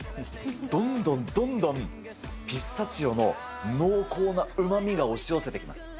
どんどんどんどんピスタチオの濃厚なうまみが押し寄せてきます。